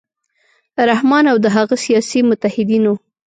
رحمان او د هغه سیاسي متحدینو